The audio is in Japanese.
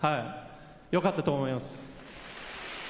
よかったと思います。